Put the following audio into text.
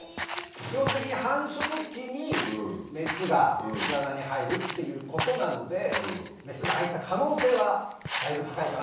基本的に繁殖期にメスが巣穴に入るっていうことなのでメスが入った可能性はだいぶ高いかなとは思う。